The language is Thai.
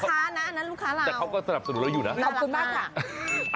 ค้านะอันนั้นลูกค้าเราแต่เขาก็สนับสนุนเราอยู่นะขอบคุณมากค่ะ